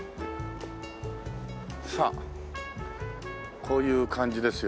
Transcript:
さあこういう感じですよ